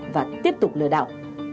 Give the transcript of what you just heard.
và tiếp tục lừa đảo